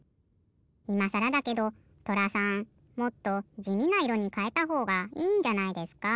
いまさらだけどとらさんもっとじみないろにかえたほうがいいんじゃないですか？